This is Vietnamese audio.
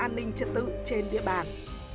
an ninh trật tự trên địa bàn